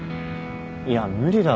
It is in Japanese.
いや無理だろ。